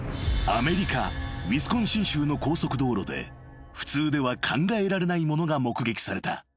［アメリカウィスコンシン州の高速道路で普通では考えられないものが目撃された］